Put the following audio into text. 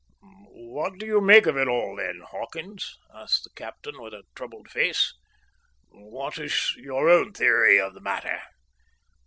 "What do you make of it all, then, Hawkins?" asked the captain, with a troubled face. "What is your own theory on the matter?"